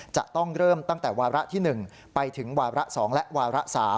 จะต้องเริ่มตั้งแต่วาระที่๑ไปถึงวาระ๒และวาระ๓